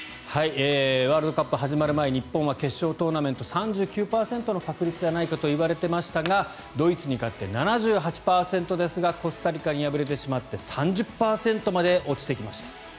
ワールドカップ始まる前日本は決勝トーナメント進出３９％の確率ではないかといわれていましたがドイツに勝って７８％ですがコスタリカに敗れてしまって３０％まで落ちてしまった。